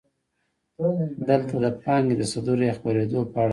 دلته د پانګې د صدور یا خپرېدو په اړه وایو